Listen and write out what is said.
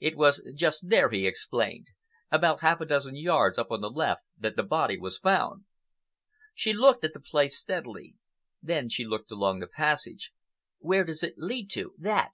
"It was just there," he explained, "about half a dozen yards up on the left, that the body was found." She looked at the place steadily. Then she looked along the passage. "Where does it lead to—that?"